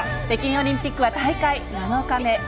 北京オリンピックは大会７日目。